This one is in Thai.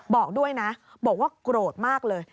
บอกด้วยนะบอกว่าโกรธมากเลย